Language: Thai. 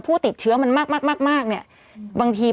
เพื่อไม่ให้เชื้อมันกระจายหรือว่าขยายตัวเพิ่มมากขึ้น